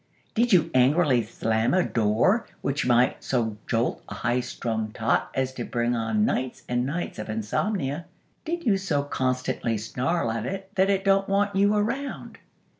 Did you angrily slam a door, which might so jolt a high strung tot as to bring on nights and nights of insomnia? Did you so constantly snarl at it that it don't want you around?